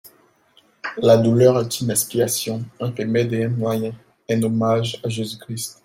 La douleur est une expiation, un remède et un moyen, un hommage à Jésus-Christ.